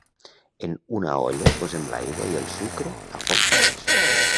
En una olla posem l'aigua i el sucre a foc baix.